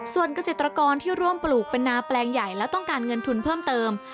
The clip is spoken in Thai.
ส่วนเกษตรกรที่ร่วมปลูกเป็นนาแปลงใหญ่และต้องการเงินทุนเพิ่มเติม